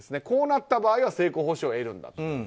こうなった場合は成功報酬を得るんだと。